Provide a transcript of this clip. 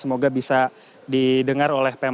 semoga bisa didengar oleh pm prof pak